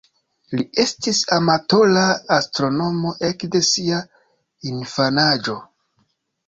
Li estis amatora astronomo ekde sia infanaĝo.